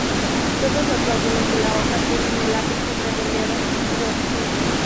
Todos los lóbulos de la hoja tienen el ápice redondeado u obtuso.